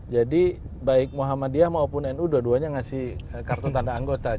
jadi baik muhammadiyah maupun nu dua duanya ngasih kartu tanda anggota